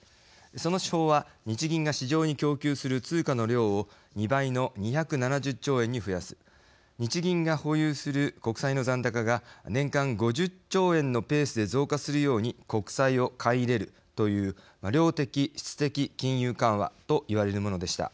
その手法は、日銀が市場に供給する通貨の量を２倍の２７０兆円に増やす日銀が保有する国債の残高が年間５０兆円のペースで増加するように国債を買い入れるという量的・質的金融緩和と言われるものでした。